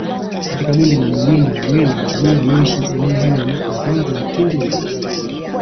katika bonde la milima ya welu makabila yaliyoishi eneo hilo ni Luvango wutinde lugulu